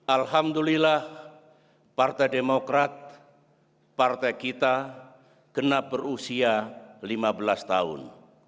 alhamdulillah partai demokrat partai kita kena berusia lima belas tahun